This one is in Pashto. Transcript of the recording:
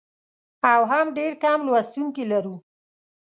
او هم ډېر کم لوستونکي لرو.